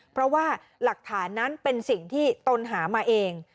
เพราะว่าหลักฐานนั้นเป็นสิ่งที่ตนหามาเอง